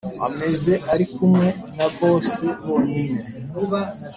ameze arikumwe na boss bonyine